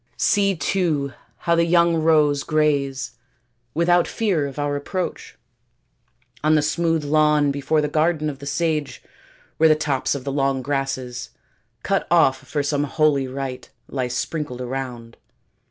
See, too, how the young roes graze, without fear of our approach, on the smooth lawn before the garden of the sage, where the tops of the long grasses, cut off for some holy rite, lie sprinkled around.